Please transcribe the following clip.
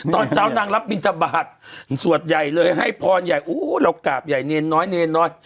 ตอนเช้านางรับบินทบาทส่วนใหญ่เลยให้พรใหญ่โอ้โหเรากราบใหญ่เนรน้อยเนรน้อย